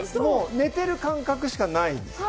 寝てる感覚しかないです。